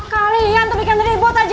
kalian tuh bikin ribut aja